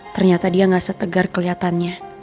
ternyata dia gak setegar kelihatan